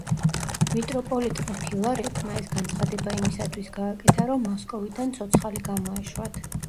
მიტროპოლიტმა ფილარეტმა ეს განცხადება იმისათვის გააკეთა, რომ მოსკოვიდან ცოცხალი გამოეშვათ.